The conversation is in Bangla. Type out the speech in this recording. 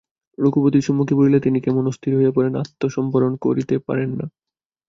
রঘুপতির সম্মুখে পড়িলে তিনি কেমন অস্থির হইয়া পড়েন, আত্মসম্বরণ করিতে পারেন না।